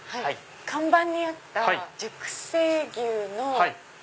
看板にあった熟成牛のＴＫＧ。